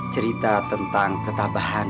cerita tentang ketabahan